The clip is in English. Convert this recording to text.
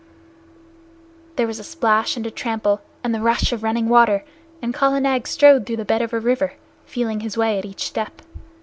There was a splash and a trample, and the rush of running water, and Kala Nag strode through the bed of a river, feeling his way at each step.